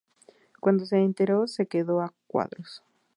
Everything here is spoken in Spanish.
Cuando se enteró, se quedó a cuadros